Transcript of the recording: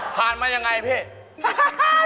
ผ่านมายังไงพี่